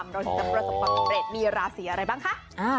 เราจะประสบประเภทมีราศีอะไรบ้างคะ